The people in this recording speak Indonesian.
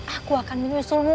aku akan menyusulmu